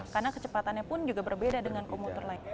karena kecepatannya pun juga berbeda dengan komuter lain